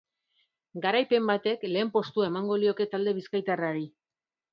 Garaipen batek lehen postua emango lioke talde bizkaitarrari.